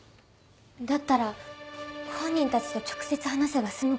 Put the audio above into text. だったら本人たちと直接話せば済む事です。